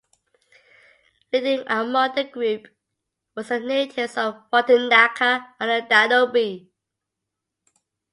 Leading among their group were some natives of Rottenacker on the Danube.